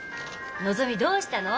のぞみどうしたの？